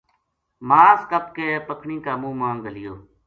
ماس کَپ کے پکھنی کا منہ ما گھلیو